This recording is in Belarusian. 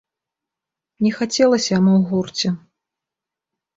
Не хацелася яму ў гурце.